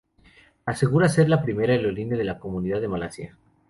Asegura ser la primera aerolínea de la comunidad de Malasia.